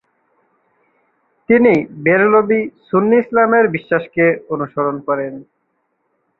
তিনি বেরলভী সুন্নি ইসলামের বিশ্বাসকে অনুসরণ করেন।